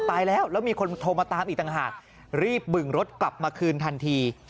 ตายแล้วแล้วมีคนโทรมาตามอีกต่างหากรีบบึงรถกลับมาคืนทันที